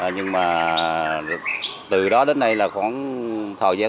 nhưng mà từ đó đến nay là khoảng thời gian